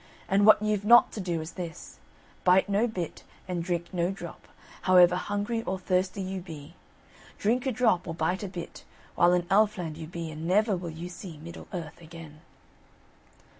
And what you've not to do is this: bite no bit, and drink no drop, however hungry or thirsty you be; drink a drop, or bite a bit, while in Elfland you be and never will you see Middle Earth again."